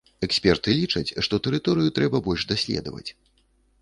Эксперты лічаць, што тэрыторыю трэба больш даследаваць.